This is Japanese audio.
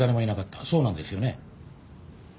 そうなんですよね？